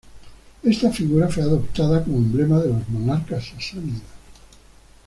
Esta figura fue adoptada como emblema de los monarcas sasánidas.